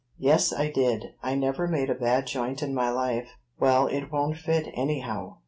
"Yes, I did. I never made a bad joint in my life." "Well, it won't fit, anyhow.